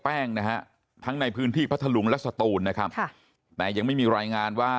เรามีการซีนอย่างเต็มที่นะครับแต่เราก็ยังไม่ชัดเจนนะครับว่า